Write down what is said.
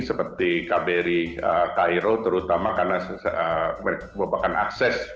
seperti kbri cairo terutama karena mereka memiliki akses